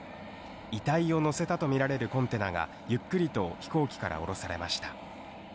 遺体を乗せたと見られるコンテナが、ゆっくりと飛行機から降ろされました。